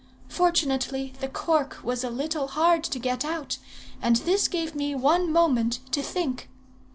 Fortunately the cork was a little hard to get out, and this gave me one moment to think.